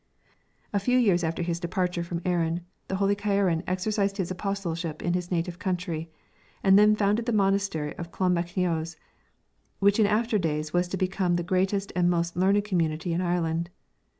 For a few years after his departure from Aran the holy Ciaran exercised his apostleship in his native country, and then founded the monastery of Clonmacnoise, which in after days was to become the greatest and most learned community in Ireland.